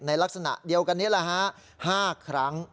ลักษณะเดียวกันนี้แหละฮะ๕ครั้ง